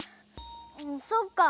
そっか！